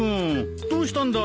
どうしたんだい